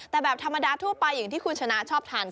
แต่แบบธรรมดาทั่วไปอย่างที่คุณชนะชอบทาน